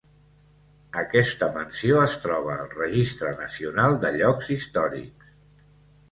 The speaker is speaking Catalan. Aquesta mansió es troba al registre nacional de llocs històrics.